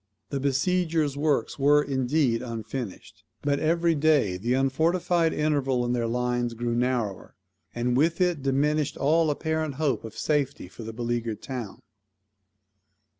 The besiegers' works were, indeed, unfinished; but every day the unfortified interval in their lines grew narrower, and with it diminished all apparent hope of safety for the beleaguered town.